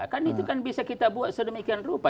kan itu kan bisa kita buat sedemikian rupa